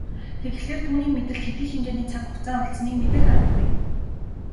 Тэгэхлээр түүний мэдэлд хэдий хэмжээний цаг хугацаа үлдсэнийг мэдэх аргагүй.